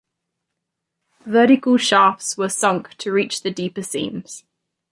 Vertical shafts were sunk to reach the deeper seams.